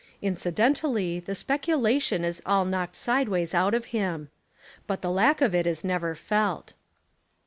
Incidentally the speculation is all knocked sideways out of him. But the lack of it is never felt.